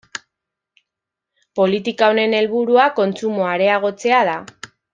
Politika honen helburua kontsumoa areagotzea da.